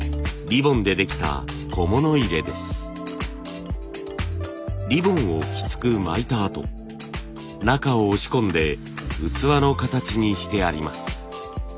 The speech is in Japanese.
リボンをきつく巻いたあと中を押し込んで器の形にしてあります。